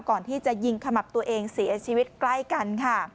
ก่อนที่จะยิงขมับตัวเองเสียชีวิตใกล้กันค่ะ